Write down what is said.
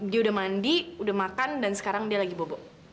dia udah mandi udah makan dan sekarang dia lagi bobo